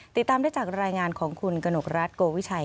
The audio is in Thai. ติดตามได้จากรายงานของคุณกนกรัฐโกวิชัย